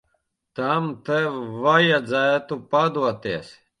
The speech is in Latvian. Tam tev vajadzētu padoties.